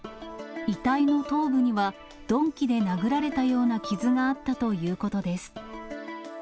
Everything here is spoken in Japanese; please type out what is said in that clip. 遺体の頭部には鈍器で殴られたような傷があったということです。